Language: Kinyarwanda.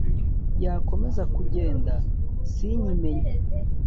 yakomeza kugenda sinyimenye